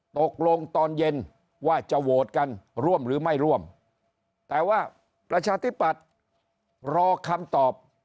ตกลงตอนเย็นว่าจะโหวตกันร่วมหรือไม่ร่วมแต่ว่าประชาธิปัตย์รอคำตอบ